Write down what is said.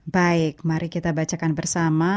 baik mari kita bacakan bersama